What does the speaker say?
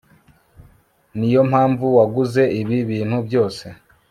Niyompamvu waguze ibi bintu byose